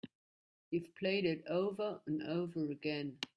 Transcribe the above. You've played it over and over again.